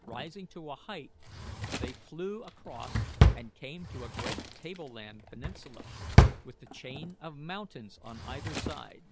Rising to a height, they flew across, and came to a great table land peninsula, with a chain of mountains on either side.